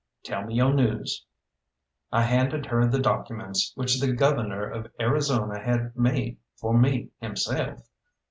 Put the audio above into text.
Tell me yo' news." I handed her the documents, which the governor of Arizona had made for me himself.